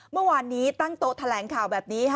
เมื่อวานนี้ตั้งโต๊ะแถลงข่าวแบบนี้ค่ะ